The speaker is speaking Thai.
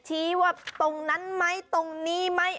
ชี้ว่าตรงนั้นไหมตรงนี้ไหม